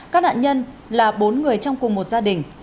các nạn nhân là bốn người trong cùng một gia đình